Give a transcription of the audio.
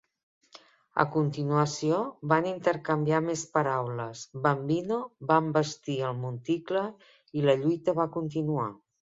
A continuació, van intercanviar més paraules, Bambino va envestir el monticle i la lluita va continuar.